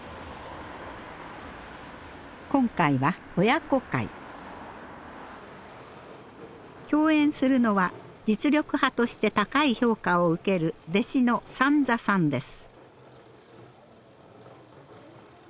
今回は親子会。共演するのは実力派として高い評価を受ける弟子の三三さんです。